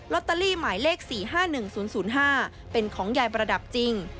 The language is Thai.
ตเตอรี่หมายเลข๔๕๑๐๐๕เป็นของยายประดับจริง